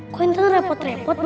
kok intan repot repot bawa kesini